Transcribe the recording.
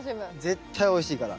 絶対おいしいから。